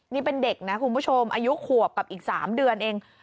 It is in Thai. นี่เป็นเด็กนะคุณผู้ชมอายุขวบกับอีก๓เดือนเอง